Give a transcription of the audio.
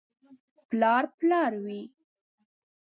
• پلار پلار وي.